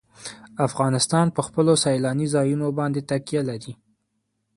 افغانستان په خپلو سیلاني ځایونو باندې تکیه لري.